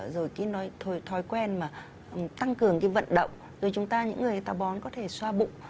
rồi cái nói thói quen mà tăng cường cái vận động rồi chúng ta những người tào bón có thể xoa bụng